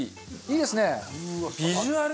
いいですね。